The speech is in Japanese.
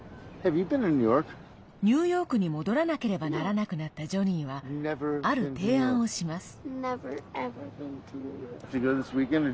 ニューヨークに戻らなければならなくなったジョニーは、ある提案をします。